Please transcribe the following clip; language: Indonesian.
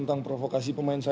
itu strategi dari anda